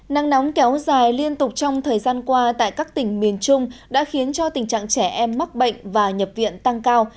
nắng nóng kéo dài liên tục trong thời gian qua tại các tỉnh miền trung đã khiến cho tình trạng trẻ em mắc bệnh và nhập viện tăng cao